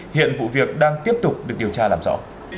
hiện vụ việc đang tiếp tục được điều tra làm rõ